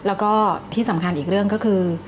แล้วก็ที่สำคัญอีกเรื่องก็คือ